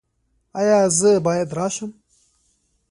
ایا زه باید راشم؟